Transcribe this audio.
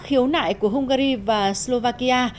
khiếu nại của hungary và slovakia